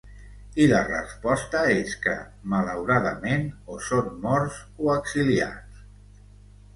I la resposta és que, malauradament, o són morts o exiliats.